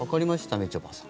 みちょぱさん。